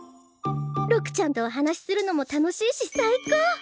六ちゃんとお話しするのも楽しいし最高！